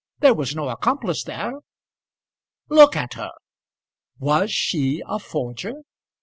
There was no accomplice there. Look at her! Was she a forger?